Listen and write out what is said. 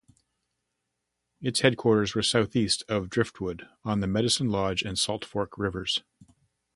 Its headquarters were southeast of Driftwood on the Medicine Lodge and Salt Fork rivers.